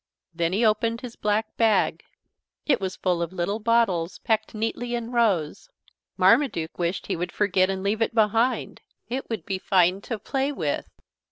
Then he opened his black bag. It was full of little bottles, packed neatly in rows. Marmaduke wished he would forget and leave it behind. It would be fine to play with.